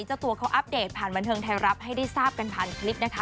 เจ้าตัวเขาอัปเดตผ่านบันเทิงไทยรัฐให้ได้ทราบกันผ่านคลิปนะคะ